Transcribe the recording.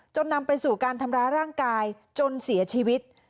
นำไปสู่การทำร้ายร่างกายจนเสียชีวิต